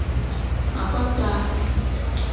Akontaa.